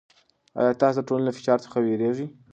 آیا تاسې د ټولنې له فشار څخه وېرېږئ؟